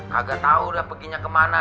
kagak tahu dah peginya kemana